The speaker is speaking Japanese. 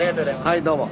はいどうも。